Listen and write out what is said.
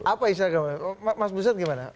apa instagramnya mas budi star gimana